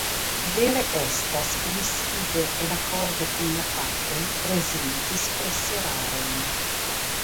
Vere estas, ke mi simple en akordo kun la faktoj prezentis preserarojn.